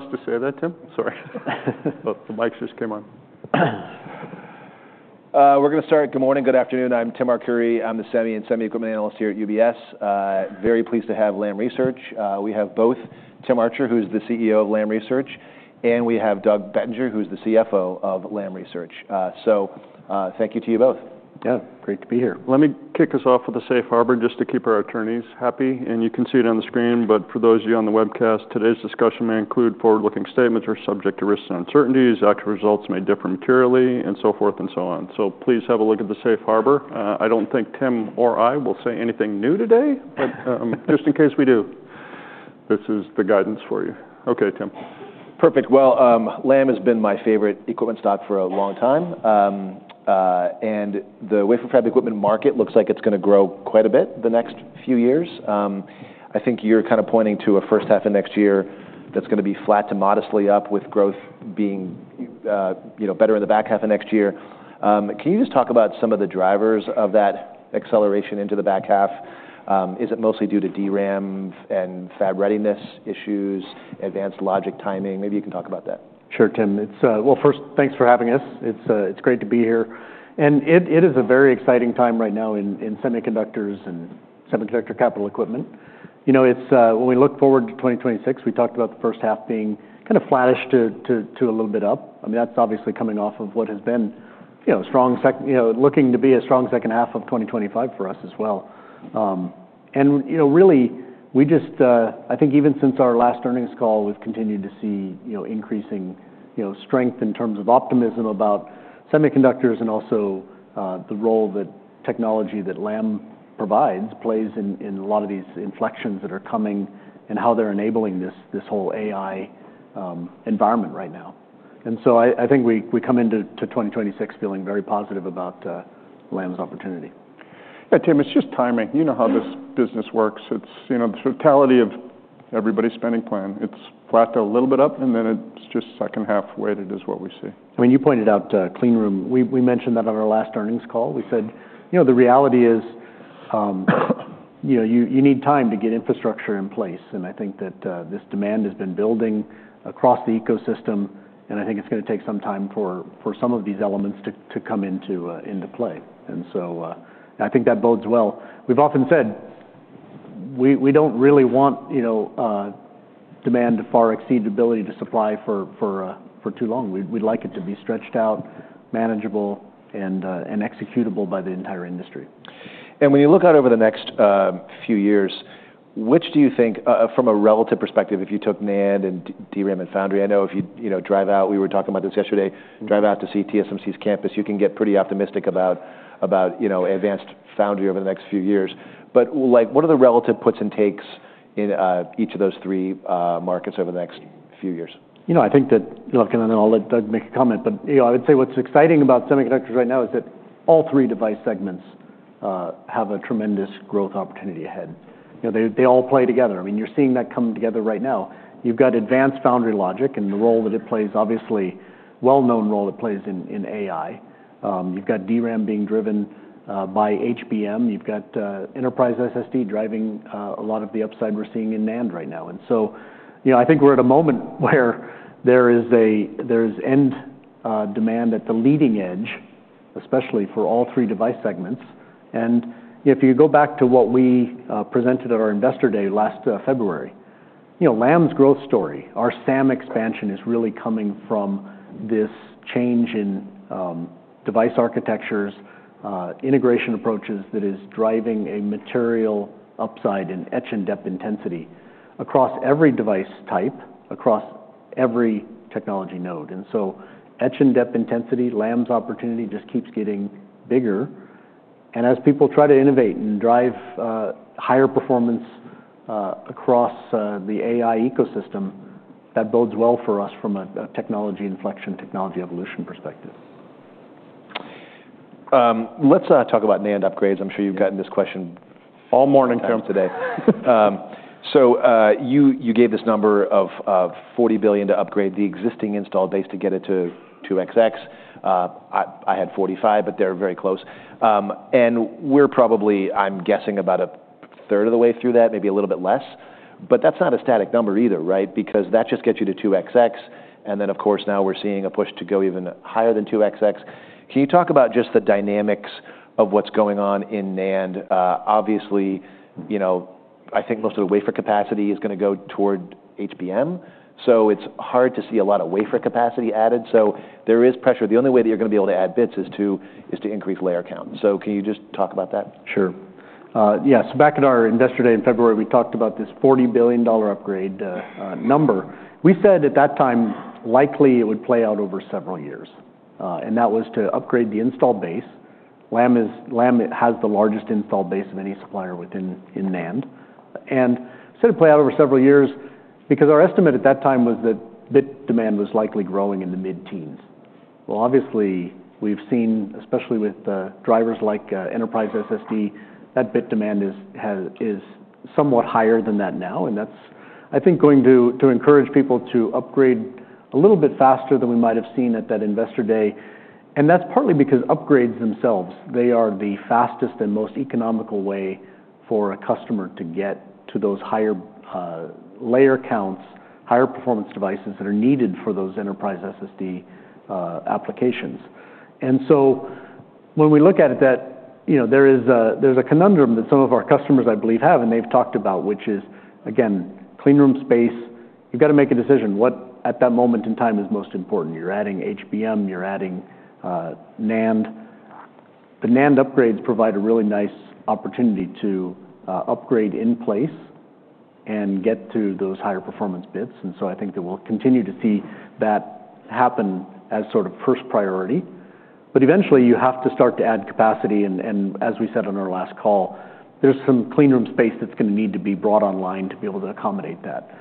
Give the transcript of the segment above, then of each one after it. I was supposed to say that, Tim? Sorry. The mic just came on. We're going to start. Good morning, good afternoon. I'm Tim Arcuri. I'm the Semi and Semi-Equipment Analyst here at UBS. Very pleased to have Lam Research. We have both Tim Archer, who is the CEO of Lam Research, and we have Doug Bettinger, who is the CFO of Lam Research. So thank you to you both. Yeah, great to be here. Let me kick us off with a safe harbor just to keep our attorneys happy, and you can see it on the screen, but for those of you on the webcast, today's discussion may include forward-looking statements or subject to risks and uncertainties. Actual results may differ materially, and so forth and so on, so please have a look at the Safe Harbor. I don't think Tim or I will say anything new today, but just in case we do, this is the guidance for you. Okay, Tim. Perfect. Well, Lam has been my favorite equipment stock for a long time, and the Wafer Fab Equipment market looks like it's going to grow quite a bit the next few years. I think you're kind of pointing to a first half of next year that's going to be flat to modestly up, with growth being better in the back half of next year. Can you just talk about some of the drivers of that acceleration into the back half? Is it mostly due to DRAM and fab readiness issues, advanced logic timing? Maybe you can talk about that. Sure, Tim. Well, first, thanks for having us. It's great to be here. And it is a very exciting time right now in semiconductors and semiconductor capital equipment. When we look forward to 2026, we talked about the first half being kind of flattish to a little bit up. I mean, that's obviously coming off of what has been looking to be a strong second half of 2025 for us as well. And really, I think even since our last earnings call, we've continued to see increasing strength in terms of optimism about semiconductors and also the role that technology that Lam provides plays in a lot of these inflections that are coming and how they're enabling this whole AI environment right now. And so I think we come into 2026 feeling very positive about Lam's opportunity. Yeah, Tim, it's just timing. You know how this business works. It's the totality of everybody's spending plan. It's flat to a little bit up, and then it's just second half weighted is what we see. I mean, you pointed out clean room. We mentioned that on our last earnings call. We said the reality is you need time to get infrastructure in place. And I think that this demand has been building across the ecosystem. And I think it's going to take some time for some of these elements to come into play. And so I think that bodes well. We've often said we don't really want demand to far exceed ability to supply for too long. We'd like it to be stretched out, manageable, and executable by the entire industry. And when you look out over the next few years, which do you think, from a relative perspective, if you took NAND and DRAM and foundry? I know if you drive out, we were talking about this yesterday, drive out to see TSMC's campus, you can get pretty optimistic about advanced foundry over the next few years. But what are the relative puts and takes in each of those three markets over the next few years? You know, I think that, and I'll let Doug make a comment, but I would say what's exciting about semiconductors right now is that all three device segments have a tremendous growth opportunity ahead. They all play together. I mean, you're seeing that come together right now. You've got advanced foundry logic and the role that it plays, obviously well-known role it plays in AI. You've got DRAM being driven by HBM. You've got Enterprise SSD driving a lot of the upside we're seeing in NAND right now. And so I think we're at a moment where there is end demand at the leading edge, especially for all three device segments. If you go back to what we presented at our investor day last February, Lam's growth story, our SAM expansion is really coming from this change in device architectures, integration approaches that is driving a material upside in Etch & Dep intensity across every device type, across every technology node. So Etch & Dep intensity, Lam's opportunity just keeps getting bigger. And as people try to innovate and drive higher performance across the AI ecosystem, that bodes well for us from a technology inflection, technology evolution perspective. Let's talk about NAND upgrades. I'm sure you've gotten this question all morning from today. So you gave this number of $40 billion to upgrade the existing installed base to get it to 2xx. I had $45, but they're very close. And we're probably, I'm guessing, about a third of the way through that, maybe a little bit less. But that's not a static number either, right? Because that just gets you to 2xx. And then, of course, now we're seeing a push to go even higher than 2xx. Can you talk about just the dynamics of what's going on in NAND? Obviously, I think most of the wafer capacity is going to go toward HBM. So it's hard to see a lot of wafer capacity added. So there is pressure. The only way that you're going to be able to add bits is to increase layer count. So can you just talk about that? Sure. Yeah, so back at our investor day in February, we talked about this $40 billion upgrade number. We said at that time, likely it would play out over several years. And that was to upgrade the installed base. Lam has the largest installed base of any supplier within NAND. And said it would play out over several years because our estimate at that time was that bit demand was likely growing in the mid-teens. Well, obviously, we've seen, especially with drivers like Enterprise SSD, that bit demand is somewhat higher than that now. And that's, I think, going to encourage people to upgrade a little bit faster than we might have seen at that investor day. That's partly because upgrades themselves, they are the fastest and most economical way for a customer to get to those higher layer counts, higher performance devices that are needed for those Enterprise SSD applications. So when we look at it, there is a conundrum that some of our customers, I believe, have, and they've talked about, which is, again, clean room space. You've got to make a decision. What at that moment in time is most important? You're adding HBM. You're adding NAND. The NAND upgrades provide a really nice opportunity to upgrade in place and get to those higher performance bits. So I think that we'll continue to see that happen as sort of first priority. But eventually, you have to start to add capacity. As we said on our last call, there's some clean room space that's going to need to be brought online to be able to accommodate that,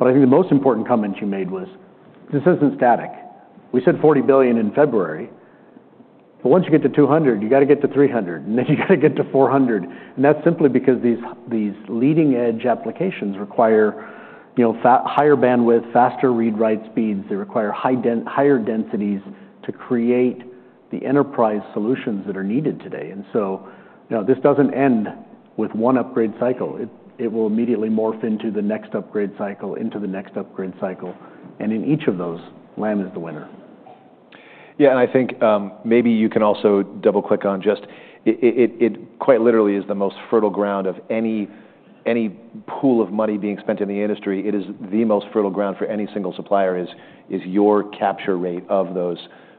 but I think the most important comment you made was, this isn't static. We said $40 billion in February, but once you get to $200, you've got to get to $300, and then you've got to get to $400, and that's simply because these leading edge applications require higher bandwidth, faster read-write speeds. They require higher densities to create the enterprise solutions that are needed today, and so this doesn't end with one upgrade cycle. It will immediately morph into the next upgrade cycle, into the next upgrade cycle, and in each of those, Lam is the winner. Yeah, and I think maybe you can also double-click on just it quite literally is the most fertile ground of any pool of money being spent in the industry. It is the most fertile ground for any single supplier is your capture rate of those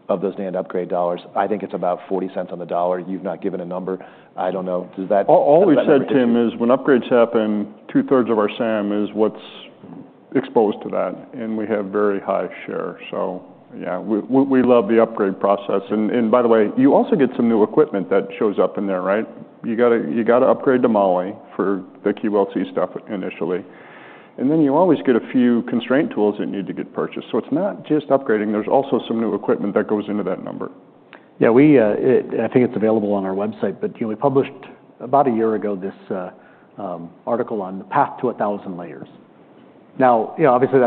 NAND upgrade dollars. I think it's about $0.40 on the dollar. You've not given a number. I don't know. Does that. All we've said, Tim, is when upgrades happen, two-thirds of our SAM is what's exposed to that. And we have very high share. So yeah, we love the upgrade process. And by the way, you also get some new equipment that shows up in there, right? You've got to upgrade to Moly for the QLC stuff initially. And then you always get a few constraint tools that need to get purchased. So it's not just upgrading. There's also some new equipment that goes into that number. Yeah. I think it's available on our website. But we published about a year ago this article on the path to 1,000 layers. Now, obviously,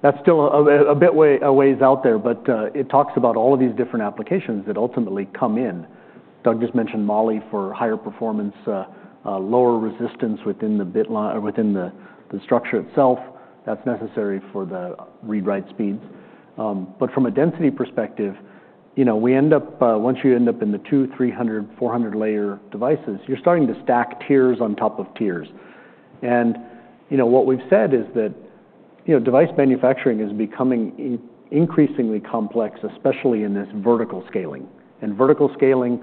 that's still a bit ways out there. But it talks about all of these different applications that ultimately come in. Doug just mentioned Moly for higher performance, lower resistance within the structure itself. That's necessary for the read-write speeds. But from a density perspective, we end up, once you end up in the 200, 300, 400 layer devices, you're starting to stack tiers on top of tiers. And what we've said is that device manufacturing is becoming increasingly complex, especially in this vertical scaling. And vertical scaling,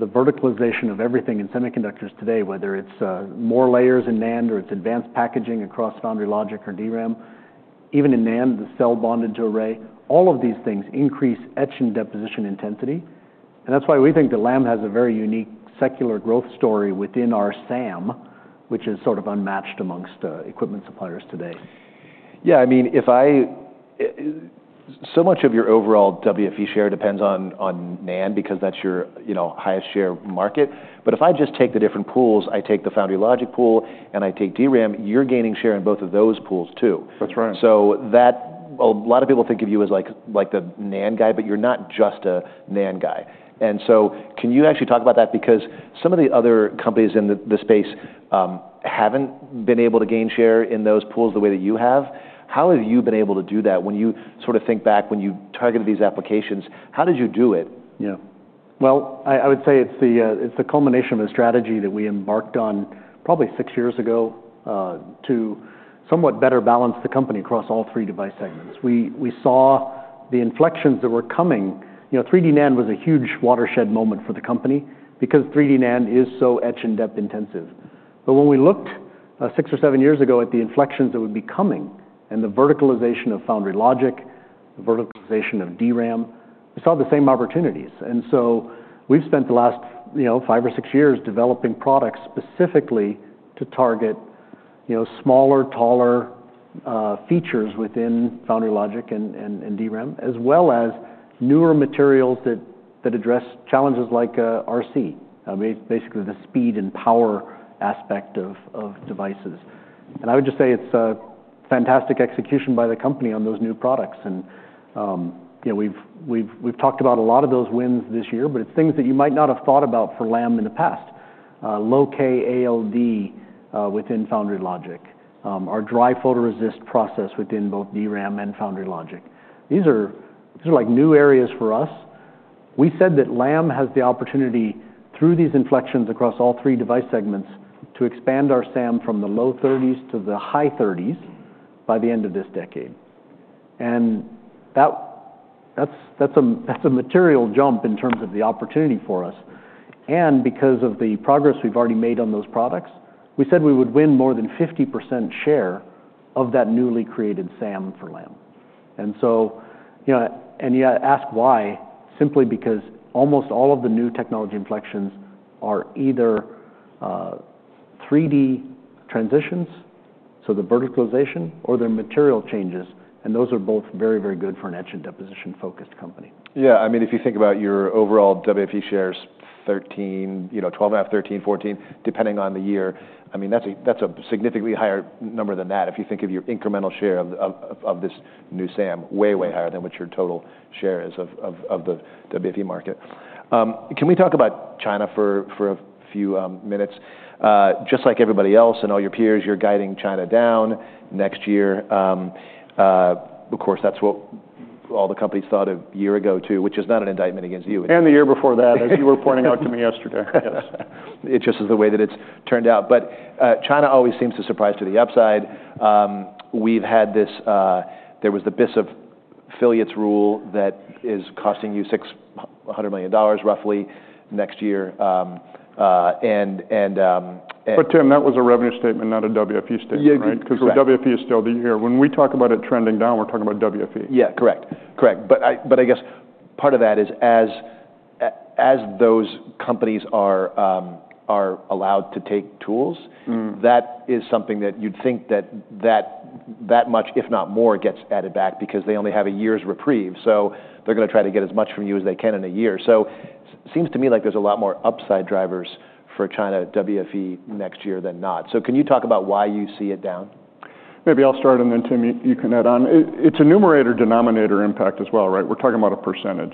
the verticalization of everything in semiconductors today, whether it's more layers in NAND or it's advanced packaging across foundry logic or DRAM, even in NAND, the cell bonded to array, all of these things increase Etch & Deposition intensity. And that's why we think that Lam has a very unique secular growth story within our SAM, which is sort of unmatched amongst equipment suppliers today. Yeah. I mean, so much of your overall WFE share depends on NAND because that's your highest share market. But if I just take the different pools, I take the foundry logic pool, and I take DRAM, you're gaining share in both of those pools too. That's right. So a lot of people think of you as like the NAND guy, but you're not just a NAND guy. And so can you actually talk about that? Because some of the other companies in the space haven't been able to gain share in those pools the way that you have. How have you been able to do that? When you sort of think back, when you targeted these applications, how did you do it? Yeah. Well, I would say it's the culmination of a strategy that we embarked on probably six years ago to somewhat better balance the company across all three device segments. We saw the inflections that were coming. 3D NAND was a huge watershed moment for the company because 3D NAND is so Etch & Dep intensive. But when we looked six or seven years ago at the inflections that would be coming and the verticalization of foundry logic, the verticalization of DRAM, we saw the same opportunities. And so we've spent the last five or six years developing products specifically to target smaller, taller features within foundry logic and DRAM, as well as newer materials that address challenges like RC, basically the speed and power aspect of devices. And I would just say it's fantastic execution by the company on those new products. And we've talked about a lot of those wins this year, but it's things that you might not have thought about for Lam in the past. Low-k ALD within foundry logic, our dry photoresist process within both DRAM and foundry logic. These are like new areas for us. We said that Lam has the opportunity through these inflections across all three device segments to expand our SAM from the low 30s to the high 30s by the end of this decade. And that's a material jump in terms of the opportunity for us. And because of the progress we've already made on those products, we said we would win more than 50% share of that newly created SAM for Lam. And you ask why, simply because almost all of the new technology inflections are either 3D transitions, so the verticalization, or they're material changes. And those are both very, very good for an Etch & Deposition-focused company. Yeah, I mean, if you think about your overall WFE shares, 12 and a half, 13, 14, depending on the year, I mean, that's a significantly higher number than that if you think of your incremental share of this new SAM, way, way higher than what your total share is of the WFE market. Can we talk about China for a few minutes? Just like everybody else and all your peers, you're guiding China down next year. Of course, that's what all the companies thought a year ago too, which is not an indictment against you. And the year before that, as you were pointing out to me yesterday. Yes. It just is the way that it's turned out. But China always seems to surprise to the upside. We've had this, there was the BIS affiliates rule that is costing you $600 million roughly next year. But, Tim, that was a revenue statement, not a WFE statement, right? Because the WFE is still the year. When we talk about it trending down, we're talking about WFE. Yeah, correct. Correct. But I guess part of that is as those companies are allowed to take tools, that is something that you'd think that much, if not more, gets added back because they only have a year's reprieve. So they're going to try to get as much from you as they can in a year. So it seems to me like there's a lot more upside drivers for China WFE next year than not. So can you talk about why you see it down? Maybe I'll start, and then, Tim, you can add on. It's a numerator-denominator impact as well, right? We're talking about a percentage.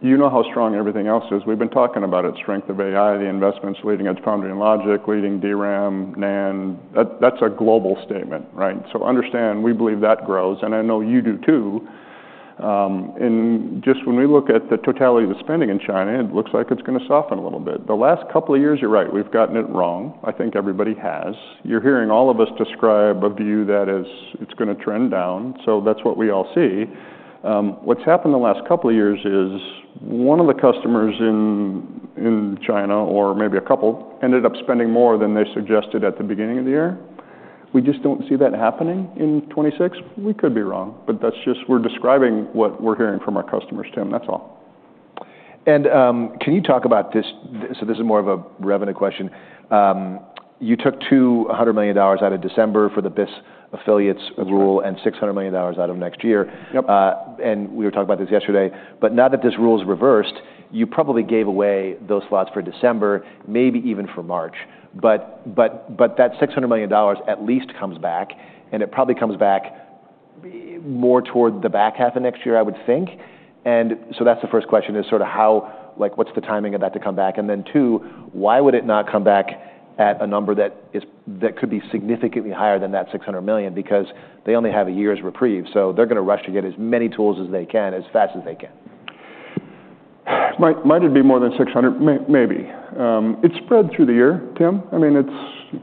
You know how strong everything else is. We've been talking about it, strength of AI, the investments leading edge foundry and logic, leading DRAM, NAND. That's a global statement, right? So understand, we believe that grows. And I know you do too. And just when we look at the totality of the spending in China, it looks like it's going to soften a little bit. The last couple of years, you're right, we've gotten it wrong. I think everybody has. You're hearing all of us describe a view that it's going to trend down. So that's what we all see. What's happened the last couple of years is one of the customers in China, or maybe a couple, ended up spending more than they suggested at the beginning of the year. We just don't see that happening in 2026. We could be wrong. But that's just we're describing what we're hearing from our customers, Tim. That's all. And can you talk about this? So this is more of a revenue question. You took $200 million out of December for the BIS affiliates rule and $600 million out of next year. And we were talking about this yesterday. But now that this rule is reversed, you probably gave away those slots for December, maybe even for March. But that $600 million at least comes back. And it probably comes back more toward the back half of next year, I would think. And so that's the first question is sort of what's the timing of that to come back? And then two, why would it not come back at a number that could be significantly higher than that $600 million? Because they only have a year's reprieve. So they're going to rush to get as many tools as they can as fast as they can. Might it be more than $600? Maybe. It's spread through the year, Tim. I mean,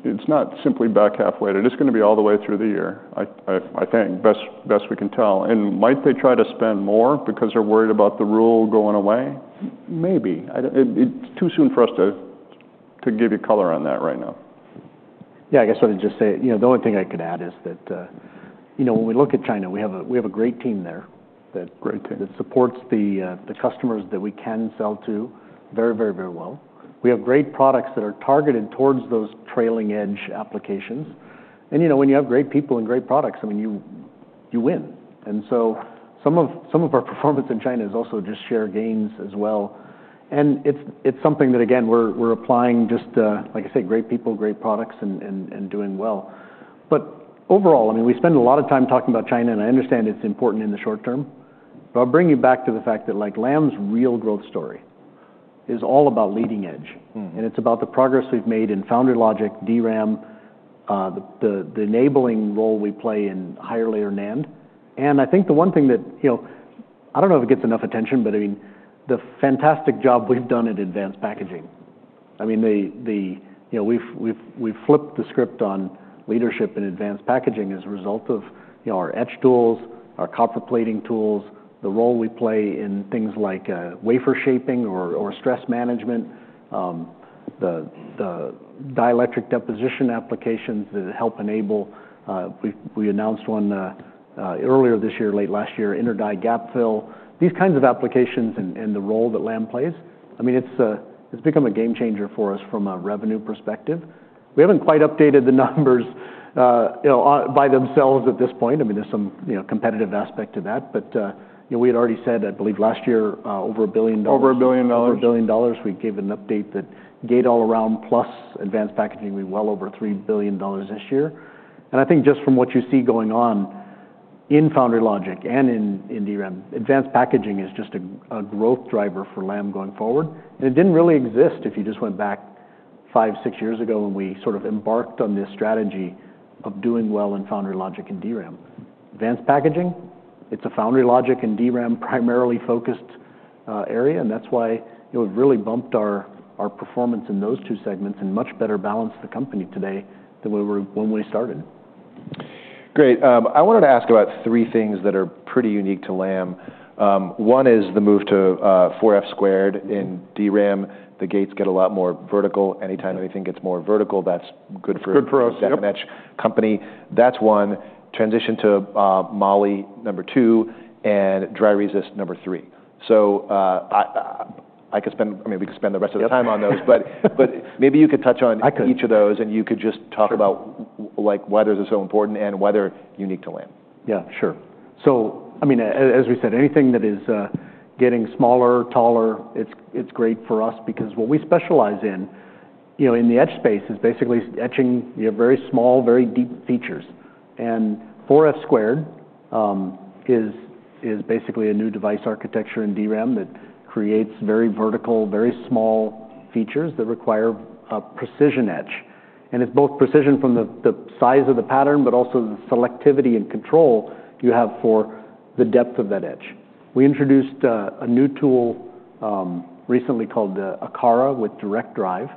it's not simply back halfway. They're just going to be all the way through the year, I think, best we can tell. And might they try to spend more because they're worried about the rule going away? Maybe. It's too soon for us to give you color on that right now. Yeah, I guess I would just say the only thing I could add is that when we look at China, we have a great team there that supports the customers that we can sell to very, very, very well. We have great products that are targeted towards those trailing edge applications. And when you have great people and great products, I mean, you win. And so some of our performance in China is also just share gains as well. And it's something that, again, we're applying just, like I say, great people, great products, and doing well. But overall, I mean, we spend a lot of time talking about China. And I understand it's important in the short term. But I'll bring you back to the fact that Lam's real growth story is all about leading edge. It's about the progress we've made in foundry logic, DRAM, the enabling role we play in higher layer NAND. I think the one thing that I don't know if it gets enough attention, but I mean, the fantastic job we've done at advanced packaging. I mean, we've flipped the script on leadership in advanced packaging as a result of our etch tools, our copper plating tools, the role we play in things like wafer shaping or stress management, the dielectric deposition applications that help enable. We announced one earlier this year, late last year, Inter-die Gap Fill. These kinds of applications and the role that Lam plays, I mean, it's become a game changer for us from a revenue perspective. We haven't quite updated the numbers by themselves at this point. I mean, there's some competitive aspect to that. But we had already said, I believe, last year, over $1 billion. Over $1 billion. Over a billion dollars. We gave an update that Gate-All-Around plus advanced packaging would be well over $3 billion this year, and I think just from what you see going on in foundry logic and in DRAM, advanced packaging is just a growth driver for Lam going forward. And it didn't really exist if you just went back five, six years ago when we sort of embarked on this strategy of doing well in foundry logic and DRAM. Advanced packaging, it's a foundry logic and DRAM primarily focused area, and that's why it really bumped our performance in those two segments and much better balanced the company today than when we started. Great. I wanted to ask about three things that are pretty unique to Lam. One is the move to 4F² in DRAM. The gates get a lot more vertical. Anytime anything gets more vertical, that's good for. Good for us. Second edge company. That's one. Transition to Moly number two and Dry Resist number three. So I could spend, I mean, we could spend the rest of the time on those. But maybe you could touch on each of those. And you could just talk about why those are so important and why they're unique to Lam. Yeah, sure. So I mean, as we said, anything that is getting smaller, taller, it's great for us because what we specialize in in the etch space is basically etching very small, very deep features. And 4F² is basically a new device architecture in DRAM that creates very vertical, very small features that require a precision etch. And it's both precision from the size of the pattern, but also the selectivity and control you have for the depth of that etch. We introduced a new tool recently called Acara with direct drive.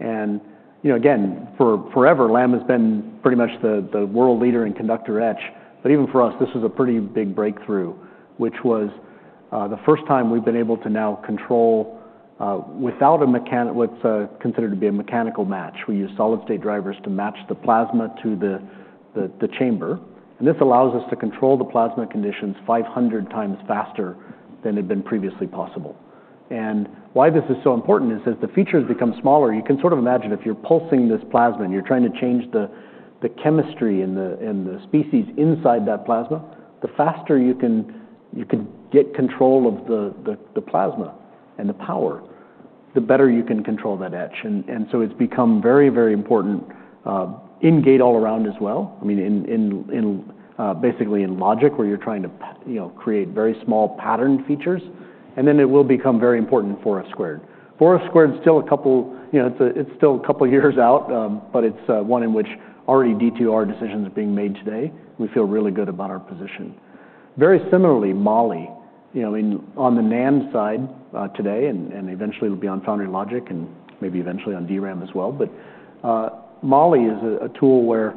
And again, forever, Lam has been pretty much the world leader in conductor etch. But even for us, this was a pretty big breakthrough, which was the first time we've been able to now control without a mechanical, what's considered to be a mechanical match. We use solid-state drivers to match the plasma to the chamber. And this allows us to control the plasma conditions 500x faster than had been previously possible. And why this is so important is, as the features become smaller, you can sort of imagine if you're pulsing this plasma and you're trying to change the chemistry and the species inside that plasma, the faster you can get control of the plasma and the power, the better you can control that etch. And so it's become very, very important in Gate-All-Around as well, I mean, basically in logic where you're trying to create very small pattern features. And then it will become very important in 4F². 4F² is still a couple of years out, but it's one in which already D2R decisions are being made today. We feel really good about our position. Very similarly, Moly, I mean, on the NAND side today, and eventually it'll be on foundry logic and maybe eventually on DRAM as well. But Moly is a tool where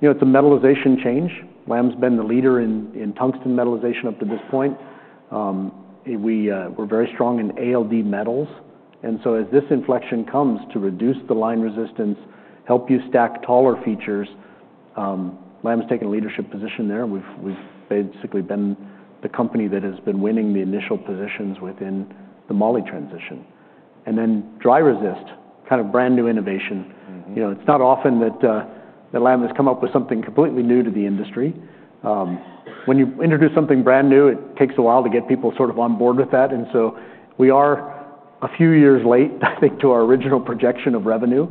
it's a metallization change. Lam's been the leader in tungsten metallization up to this point. We're very strong in ALD metals. And so as this inflection comes to reduce the line resistance, help you stack taller features, Lam's taken a leadership position there. We've basically been the company that has been winning the initial positions within the Moly transition. And then Dry Resist, kind of brand new innovation. It's not often that Lam has come up with something completely new to the industry. When you introduce something brand new, it takes a while to get people sort of on board with that. And so we are a few years late, I think, to our original projection of revenue.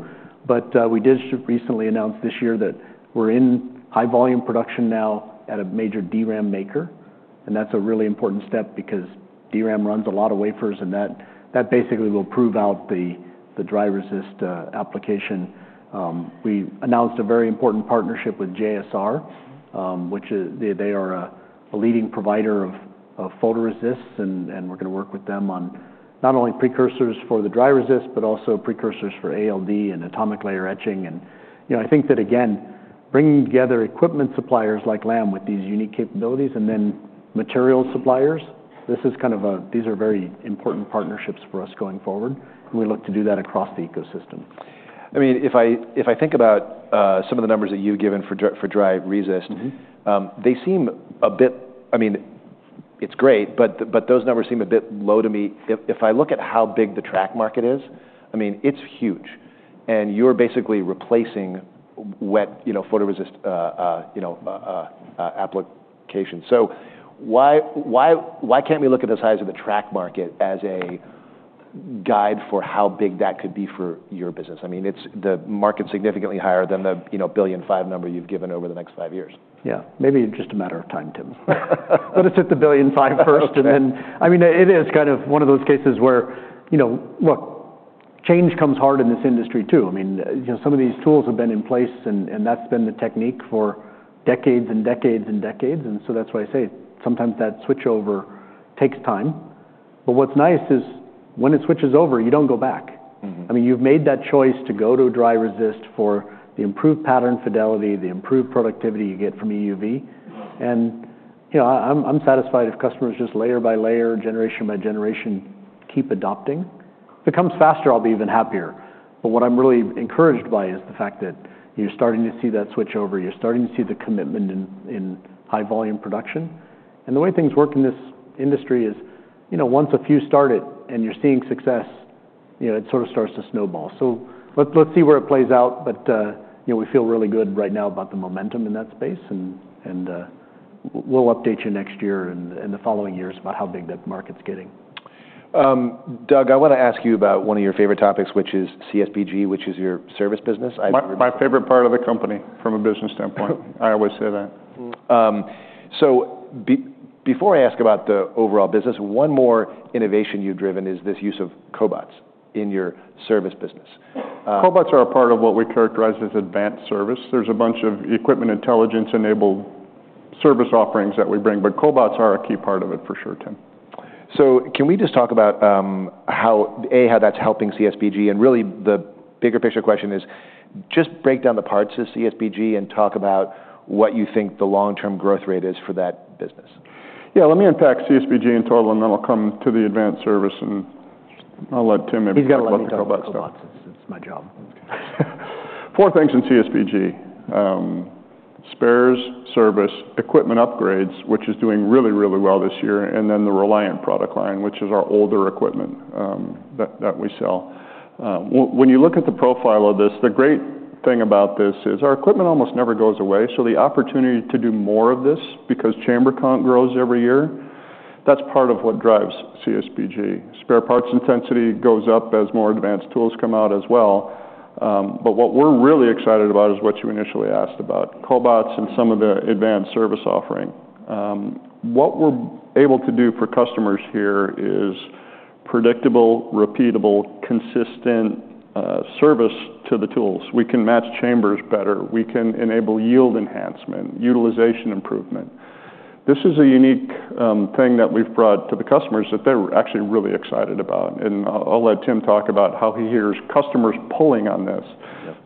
We did recently announce this year that we're in high volume production now at a major DRAM maker. And that's a really important step because DRAM runs a lot of wafers. And that basically will prove out the Dry Resist application. We announced a very important partnership with JSR, which they are a leading provider of photoresists. And we're going to work with them on not only precursors for the Dry Resist, but also precursors for ALD and atomic layer etching. And I think that, again, bringing together equipment suppliers like Lam with these unique capabilities and then material suppliers, this is kind of, these are very important partnerships for us going forward. And we look to do that across the ecosystem. I mean, if I think about some of the numbers that you've given for Dry Resist, they seem a bit, I mean, it's great. But those numbers seem a bit low to me. If I look at how big the track market is, I mean, it's huge. And you're basically replacing wet photoresist application. So why can't we look at the size of the track market as a guide for how big that could be for your business? I mean, the market's significantly higher than the $1.5 billion number you've given over the next five years. Yeah. Maybe just a matter of time, Tim. Let us hit the $1.5 billion first. And then, I mean, it is kind of one of those cases where, look, change comes hard in this industry too. I mean, some of these tools have been in place. And that's been the technique for decades and decades and decades. And so that's why I say sometimes that switchover takes time. But what's nice is when it switches over, you don't go back. I mean, you've made that choice to go to Dry Resist for the improved pattern fidelity, the improved productivity you get from EUV. And I'm satisfied if customers just layer by layer, generation by generation, keep adopting. If it comes faster, I'll be even happier. But what I'm really encouraged by is the fact that you're starting to see that switch over. You're starting to see the commitment in high volume production, and the way things work in this industry is once a few start it and you're seeing success, it sort of starts to snowball, so let's see where it plays out, but we feel really good right now about the momentum in that space, and we'll update you next year and the following years about how big that market's getting. Doug, I want to ask you about one of your favorite topics, which is CSPG, which is your service business. My favorite part of the company from a business standpoint. I always say that. So before I ask about the overall business, one more innovation you've driven is this use of cobots in your service business. Cobots are a part of what we characterize as advanced service. There's a bunch of equipment intelligence-enabled service offerings that we bring. But cobots are a key part of it for sure, Tim. So, can we just talk about A, how that's helping CSPG? And really, the bigger picture question is just to break down the parts of CSPG and talk about what you think the long-term growth rate is for that business. Yeah, let me unpack CSPG in total. And then I'll come to the advanced service. And I'll let Tim maybe talk about the cobots. He's got to let the cobots. It's my job. Four things in CSPG: spares, service, equipment upgrades, which is doing really, really well this year, and then the Reliant product line, which is our older equipment that we sell. When you look at the profile of this, the great thing about this is our equipment almost never goes away. So the opportunity to do more of this because chamber count grows every year, that's part of what drives CSPG. Spare parts intensity goes up as more advanced tools come out as well. But what we're really excited about is what you initially asked about: cobots and some of the advanced service offering. What we're able to do for customers here is predictable, repeatable, consistent service to the tools. We can match chambers better. We can enable yield enhancement, utilization improvement. This is a unique thing that we've brought to the customers that they're actually really excited about. And I'll let Tim talk about how he hears customers pulling on this.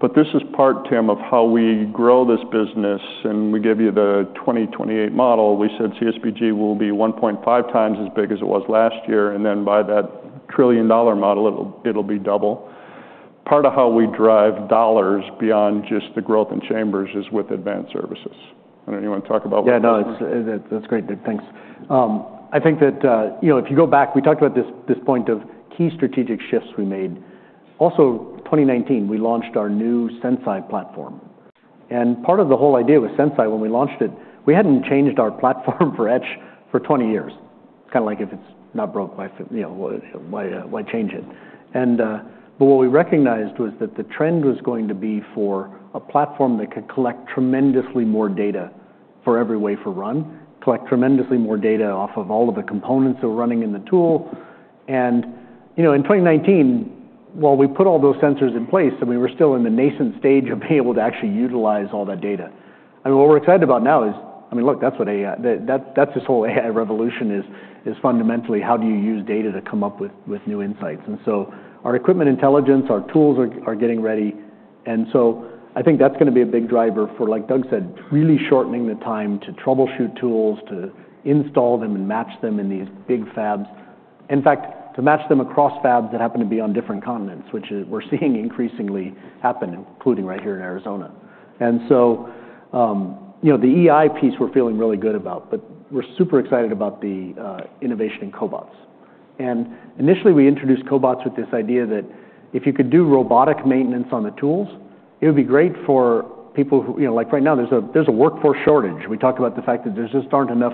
But this is part, Tim, of how we grow this business. And we give you the 2028 model. We said CSPG will be 1.5x as big as it was last year. And then by that $1 trillion model, it'll be double. Part of how we drive dollars beyond just the growth in chambers is with advanced services. I don't know if you want to talk about what that means. Yeah, no, that's great. Thanks. I think that if you go back, we talked about this point of key strategic shifts we made. In 2019, we launched our new Sense.i platform. And part of the whole idea with Sense.i, when we launched it, we hadn't changed our platform for etch for 20 years. It's kind of like if it's not broke, why change it? But what we recognized was that the trend was going to be for a platform that could collect tremendously more data for every wafer run, collect tremendously more data off of all of the components that were running in the tool. And in 2019, while we put all those sensors in place, I mean, we're still in the nascent stage of being able to actually utilize all that data. I mean, what we're excited about now is, I mean, look, that's what AI, that's this whole AI revolution is fundamentally how do you use data to come up with new insights. And so our equipment intelligence, our tools are getting ready. And so I think that's going to be a big driver for, like Doug said, really shortening the time to troubleshoot tools, to install them and match them in these big fabs, in fact, to match them across fabs that happen to be on different continents, which we're seeing increasingly happen, including right here in Arizona. And so the EI piece we're feeling really good about. But we're super excited about the innovation in cobots. And initially, we introduced cobots with this idea that if you could do robotic maintenance on the tools, it would be great for people who, like right now, there's a workforce shortage. We talk about the fact that there just aren't enough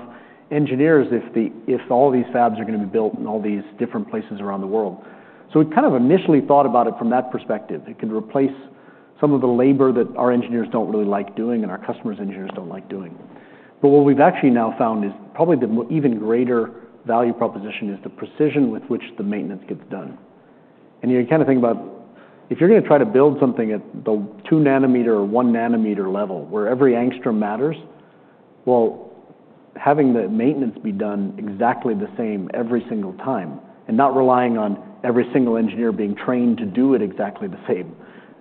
engineers if all these fabs are going to be built in all these different places around the world. So we kind of initially thought about it from that perspective. It could replace some of the labor that our engineers don't really like doing and our customers' engineers don't like doing. But what we've actually now found is probably the even greater value proposition is the precision with which the maintenance gets done. And you kind of think about if you're going to try to build something at the 2 nanometer or 1 nanometer level where every angstrom matters, well, having the maintenance be done exactly the same every single time and not relying on every single engineer being trained to do it exactly the same,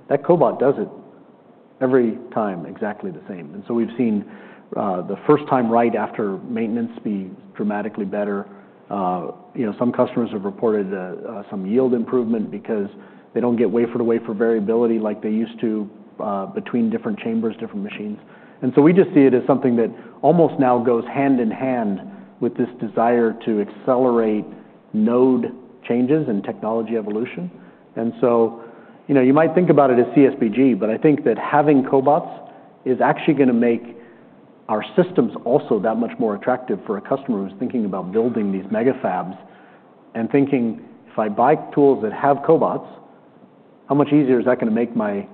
that cobot does it every time exactly the same. And so we've seen the first time right after maintenance be dramatically better. Some customers have reported some yield improvement because they don't get wafer to wafer variability like they used to between different chambers, different machines. And so we just see it as something that almost now goes hand in hand with this desire to accelerate node changes and technology evolution. And so you might think about it as CSPG. But I think that having cobots is actually going to make our systems also that much more attractive for a customer who's thinking about building these mega fabs and thinking, if I buy tools that have cobots, how much easier is that going to make my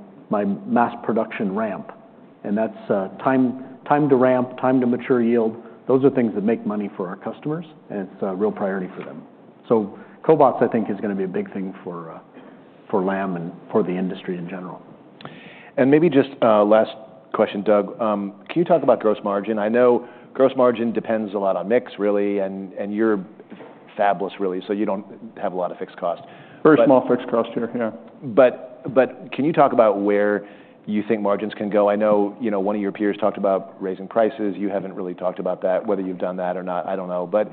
mass production ramp? And that's time to ramp, time to mature yield. Those are things that make money for our customers. And it's a real priority for them. So cobots, I think, is going to be a big thing for Lam and for the industry in general. And maybe just last question, Doug. Can you talk about gross margin? I know gross margin depends a lot on mix, really. And you're fabless, really. So you don't have a lot of fixed cost. Very small fixed cost here, yeah. But can you talk about where you think margins can go? I know one of your peers talked about raising prices. You haven't really talked about that, whether you've done that or not. I don't know. But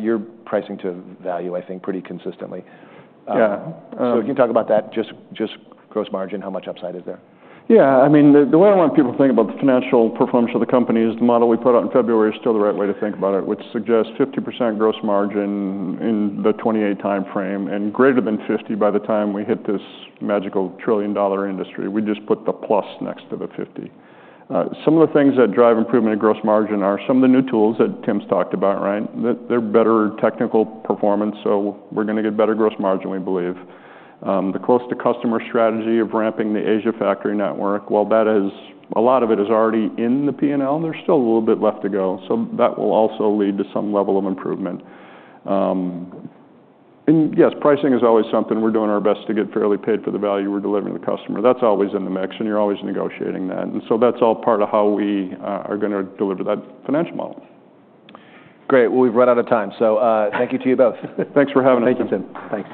you're pricing to value, I think, pretty consistently. Yeah. Can you talk about that? Just gross margin, how much upside is there? Yeah. I mean, the way I want people to think about the financial performance of the company is the model we put out in February is still the right way to think about it, which suggests 50% gross margin in the 2028 time frame and greater than 50% by the time we hit this magical trillion-dollar industry. We just put the plus next to the 50. Some of the things that drive improvement in gross margin are some of the new tools that Tim's talked about, right? They're better technical performance. So we're going to get better gross margin, we believe. The close to customer strategy of ramping the Asia factory network, well, a lot of it is already in the P&L. There's still a little bit left to go. So that will also lead to some level of improvement. And yes, pricing is always something we're doing our best to get fairly paid for the value we're delivering to the customer. That's always in the mix, and you're always negotiating that, and so that's all part of how we are going to deliver that financial model. Great. Well, we've run out of time. So thank you to you both. Thanks for having us. Thank you, Tim. Thanks.